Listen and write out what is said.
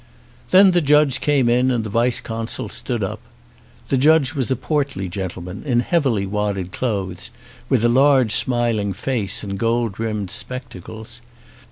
Then the judge came in, and the vice consul stood up. The judge was a portly gentleman in heavily wadded clothes, with a large smiling face and gold rimmed spectacles.